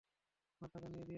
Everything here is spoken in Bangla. আমার টাকা দিয়ে দেন।